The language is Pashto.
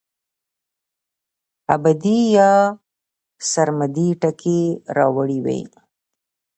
ابدي يا سرمدي ټکي راوړي وے